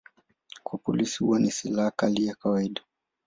Kwa polisi huwa ni silaha kali ya kawaida.